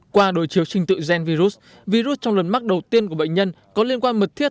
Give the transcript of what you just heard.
qua đối chiếu trình tự gen virus virus trong lần mắc đầu tiên của bệnh nhân có liên quan mật thiết